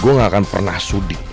gue gak akan pernah sudik